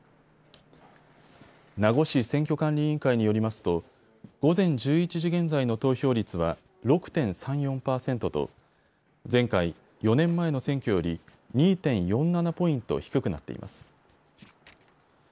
名護市選挙管理委員会によりますと午前１１時現在の投票率は６．３４％と前回４年前の選挙より２．４７ポイント低くなっています。